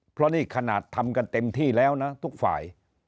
เพราะนี่ขนาดทำกันเต็มที่แล้วนะทุกฝ่าย